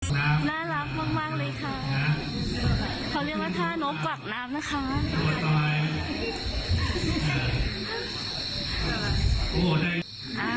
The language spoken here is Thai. น่ารักมากมากเลยค่ะเขาเรียกว่าท่านกวักน้ำนะคะ